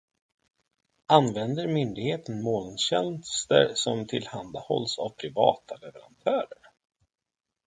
Använder myndigheten molntjänster som tillhandahålls av privata leverantörer?